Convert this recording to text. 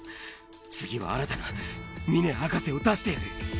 次は新たな峰博士を出してやる。